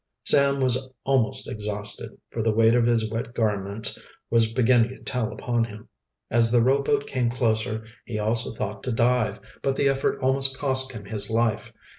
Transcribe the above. Sam was almost exhausted, for the weight of his wet garments was beginning to tell upon him. As the rowboat came closer he also thought to dive, but the effort almost cost him his life.